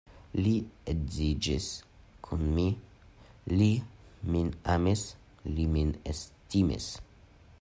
Li edziĝis kun mi, li min amis, li min estimis.